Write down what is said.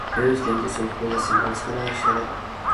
ნევის დელტის უმსხვილესი მარცხენა შენაკადი.